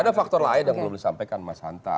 ada faktor lain yang belum disampaikan mas hanta